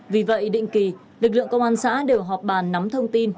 vì vậy định kỳ lực lượng công an xã đều họp bàn nắm thông tin